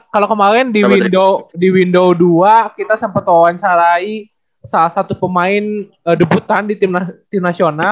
kalau kemarin di window dua kita sempat wawancarai salah satu pemain debutan di tim nasional